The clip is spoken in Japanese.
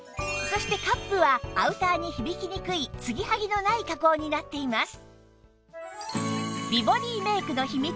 そしてカップはアウターに響きにくい継ぎはぎのない加工になっています